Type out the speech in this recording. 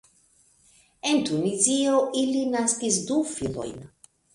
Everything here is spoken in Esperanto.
En Tunizio ili naskis du filojn.